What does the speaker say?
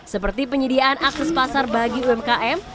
seperti penyediaan akses pasar bagi umkm